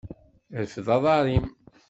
Rfed aḍar-im.